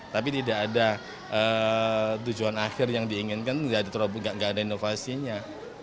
tapi tidak ada tujuan akhir yang diinginkan tidak ada inovasinya